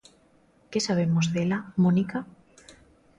Que sabemos dela, Mónica?